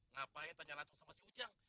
ngapain tanya langsung sama si ujang